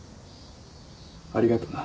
ありがとな。